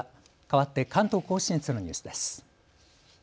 かわって関東甲信越のニュースです。